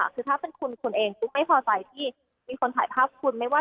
คือถ้าเป็นคุณคุณเองปุ๊บไม่พอใจที่มีคนถ่ายภาพคุณไม่ว่า